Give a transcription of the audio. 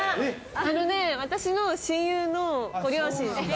あのね、私の親友のご両親。